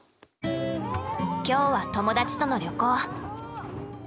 今日は友達との旅行。